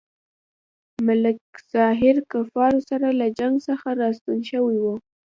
ملک ظاهر له کفارو سره له جنګ څخه راستون شوی وو.